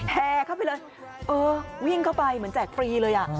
แห่เข้าไปเลยเออวิ่งเข้าไปเหมือนแจกฟรีเลยอ่ะ